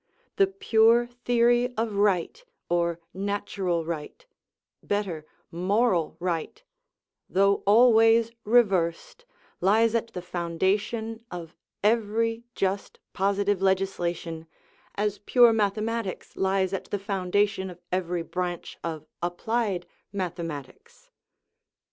The pure theory of right or natural right—better, moral right—though always reversed, lies at the foundation of every just positive legislation, as pure mathematics lies at the foundation of every branch of applied mathematics.